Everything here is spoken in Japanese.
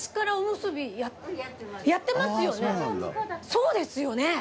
そうですよね！